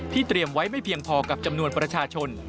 เตรียมไว้ไม่เพียงพอกับจำนวนประชาชน